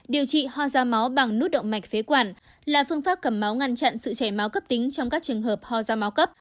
điều trị ho da máu bằng nút động mạch phế quản là phương pháp cầm máu ngăn chặn sự chảy máu cấp tính trong các trường hợp ho da máu cấp